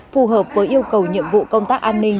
phù hợp với yêu cầu nhiệm vụ công tác an ninh